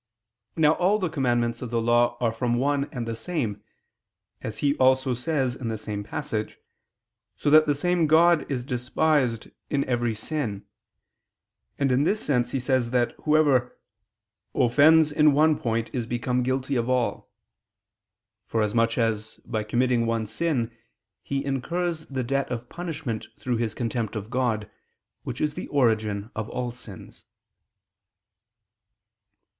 Now all the commandments of the law are from one and the same, as he also says in the same passage, so that the same God is despised in every sin; and in this sense he says that whoever "offends in one point, is become guilty of all," for as much as, by committing one sin, he incurs the debt of punishment through his contempt of God, which is the origin of all sins.